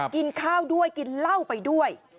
กินข้าวด้วยกินเหล้าไปด้วย